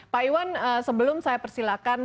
pak iwan sebelum saya persilakan